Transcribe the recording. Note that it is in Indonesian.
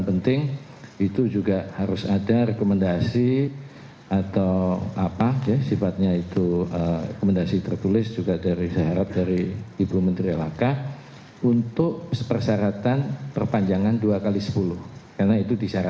kementerian keuangan telah melakukan upaya upaya